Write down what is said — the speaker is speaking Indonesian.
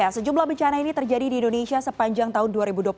sejumlah bencana ini terjadi di indonesia sepanjang tahun dua ribu dua puluh satu